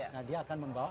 nah dia akan membawa